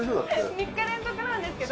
３日連続なんですけど。